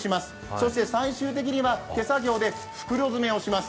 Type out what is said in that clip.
そして最終的には手作業で袋詰めをします。